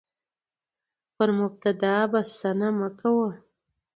پر مبتدا بسنه مه کوه،